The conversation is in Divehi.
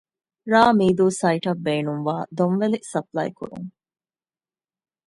ރ.މީދޫ ސައިޓަށް ބޭނުންވާ ދޮންވެލި ސަޕްލައިކުރުން